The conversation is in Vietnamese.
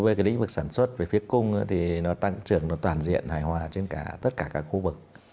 đối với lĩnh vực sản xuất về phía cung thì nó tăng trưởng toàn diện hài hòa trên tất cả các khu vực